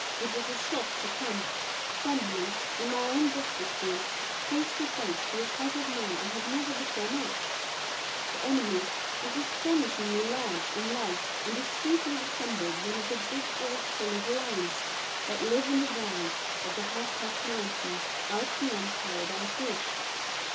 It was a shock to come, suddenly, in my own breakfast room, face to face with a type of man I had never before met. The enemy was astonishingly large and lithe and distinctly resembled one of the big gold colored lions that live in the wilds of the Harpeth Mountains out beyond Paradise Ridge.